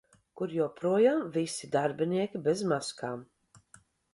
Kur joprojām visi darbinieki bez maskām.